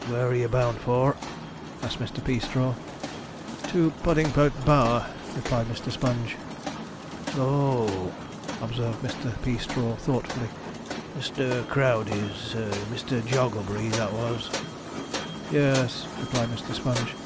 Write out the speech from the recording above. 'Where are you bound for?' asked Mr. Peastraw. 'To Puddingpote Bower,' replied Mr. Sponge. 'S o o,' observed Mr. Peastraw thoughtfully; 'Mr. Crowdey's Mr. Jogglebury that was?' 'Yes,' replied Mr. Sponge.